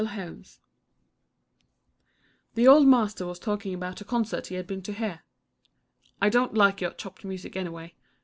_ MUSIC POUNDING The old Master was talking about a concert he had been to hear. I don't like your chopped music anyway.